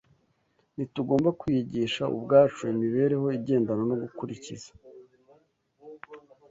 Ntitugomba kwiyigisha ubwacu imibereho igendana no gukurikiza